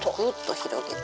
広げて。